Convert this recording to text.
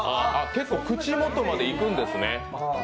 結構、口元までいくんですね。